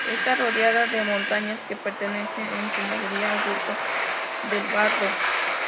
Está rodeada de montañas que pertenecen en su mayoría al grupo del "Baldo".